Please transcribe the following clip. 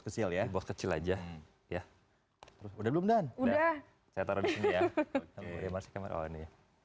kecil ya bos kecil aja ya udah belum dan udah saya taruh di sini ya oke masih kemarau nih